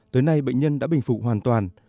tới nay bệnh nhân đã bình phục hoạt động